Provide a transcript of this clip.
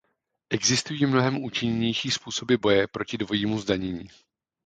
Existují mnohem účinnější způsoby boje proti dvojímu zdanění.